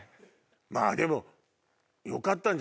まぁでも。